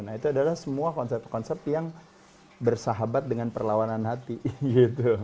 nah itu adalah semua konsep konsep yang bersahabat dengan perlawanan hati gitu